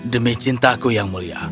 demi cintaku yang mulia